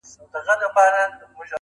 له آمو تر اباسینه وطن بولي!!